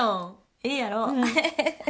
ええやろ？